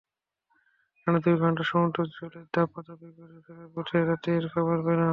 টানা দুই ঘণ্টা সমুদ্রজলে দাপাদাপি করে ফেরার পথে রাতের খাবার খেলাম।